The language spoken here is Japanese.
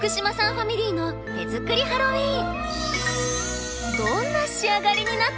ファミリーの手作りハロウィーン。